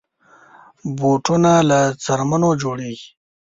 بوټونه له څرمنو جوړېږي.